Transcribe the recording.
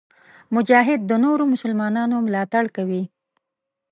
مجاهد د نورو مسلمانانو ملاتړ کوي.